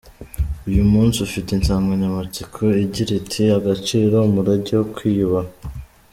Uyu munsi ufite insanganyamatsiko igira iti “Agaciro: Umurange wo kwiyubaha’.